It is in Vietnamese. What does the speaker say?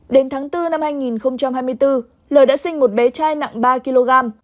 đến tháng bốn năm hai nghìn hai mươi bốn lời đã sinh một bé trai nặng ba kg